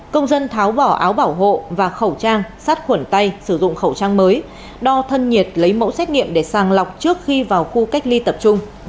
công dân tháo bỏ áo bảo hộ và khẩu trang sát khuẩn tay sử dụng khẩu trang mới đo thân nhiệt lấy mẫu xét nghiệm để sàng lọc trước khi vào khu cách ly tập trung